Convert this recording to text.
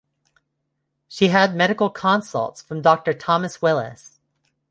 She had medical consults from Doctor Thomas Willis.